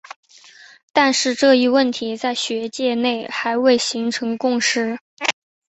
但是这一问题在学界内还未形成共识。